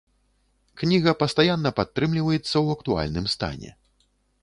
Кніга пастаянна падтрымліваецца ў актуальным стане.